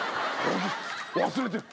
忘れてる。